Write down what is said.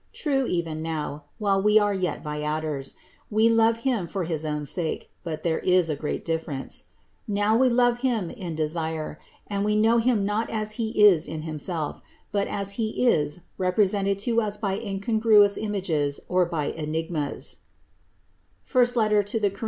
True, even now, while we are yet viators, we love Him for his own sake ; but there is a great difference. Now we love him in desire and we know Him not as He is in Himself, THE INCARNATION 135 but as He is represented to us by incongruous images or by enigmas (I Cor.